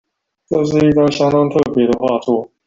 這是一張相當特別的畫作